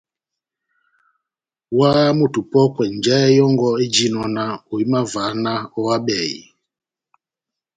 Óháháha moto opɔ́kwɛ njahɛ yɔngɔ éjinɔ náh ohimavaha náh ohábɛhe.